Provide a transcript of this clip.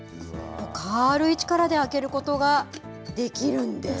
軽い力で開けることができるんです。